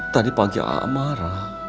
tadi pagi aak marah